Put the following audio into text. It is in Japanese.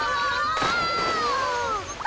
あ！